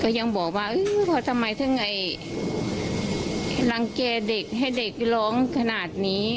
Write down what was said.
ก็ยังบอกว่าเฮ้ยเขาจะทำไมถ้าไงรังเกดเด็กให้เด็กร้องขนาดนี้